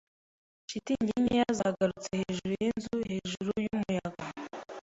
Shitingi nkeya zagurutse hejuru yinzu hejuru yumuyaga.